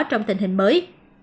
trong tình hình mới